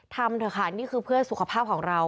ทำเถอะค่ะนี่คือเพื่อสุขภาพของเรา